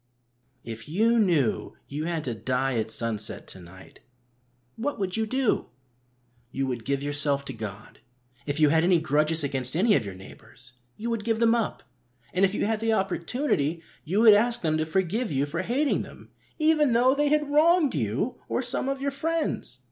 If you knew you had to die at sunset to night, what would you do? You would give yourself to God. If you had any grudges against any of your neighbours, you would give them up, and if you had the opportunity you would ask them to forgive you for hating them, even though they had wronged you or some of your friends.